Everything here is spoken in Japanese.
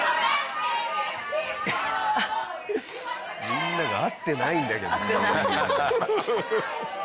みんなが合ってないんだけど。